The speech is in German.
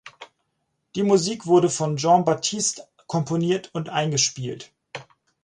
Die Musik wurde von Jon Batiste komponiert und eingespielt.